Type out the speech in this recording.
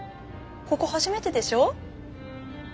ここ初めてでしょう？